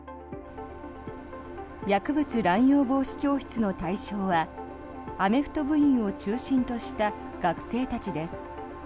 薬物乱用防止教室の対象はアメフト部員を中心とした学生たちです。